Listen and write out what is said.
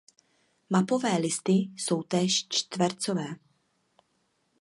Mapové listy jsou též čtvercové.